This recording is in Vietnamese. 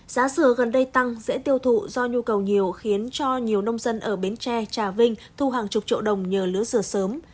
giá dừa gần đây tăng dễ tiêu thụ do nhu cầu nhiều khiến cho nhiều nông dân ở bến tre trà vinh thu hàng chục triệu đồng nhờ lứa dừa sớm